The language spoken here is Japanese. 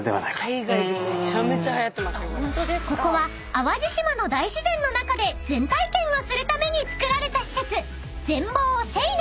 ［ここは淡路島の大自然の中で禅体験をするために造られた施設］